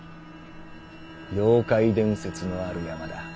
妖怪伝説のある山だ。